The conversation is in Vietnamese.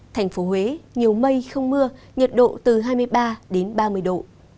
thành phố huế nhiều mây không mưa nhiệt độ từ hai mươi ba đến ba mươi độ